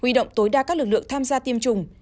huy động tối đa các lực lượng tham gia tiêm chủng